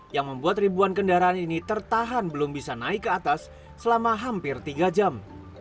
yang membuat ribuan kendaraan ini tertahan belum bisa naik ke atas selama hampir tiga jam